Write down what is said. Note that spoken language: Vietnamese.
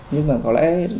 nhưng mà có lẽ